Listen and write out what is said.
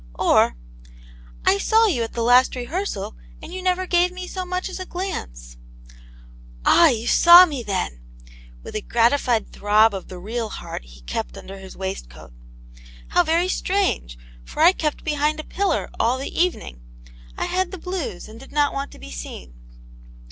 Or, " I saw you at the last rehearsal, and you never gave me so much as a glance." "Ah, you saw me, then!" with a gratified throb of the real heart he kept under his waistcoat. How very strange! for I kept behind a pillar all the even ing. I had the blues, and did not want to be seen."